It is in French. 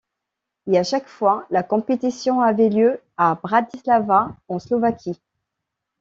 Et à chaque fois, la compétition avait lieu à Bratislava en Slovaquie.